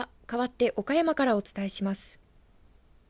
かわって岡山からお伝えします。